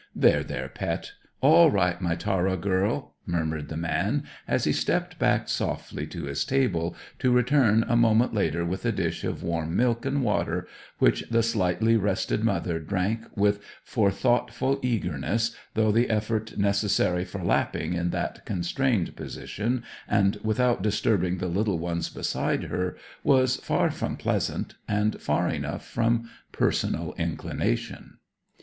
"There, there, pet; all right, my Tara girl," murmured the man, as he stepped back softly to his table, to return a moment later with a dish of warm milk and water, which the slightly rested mother drank with forethoughtful eagerness, though the effort necessary for lapping in that constrained position, and without disturbing the little ones beside her, was far from pleasant, and far enough from personal inclination.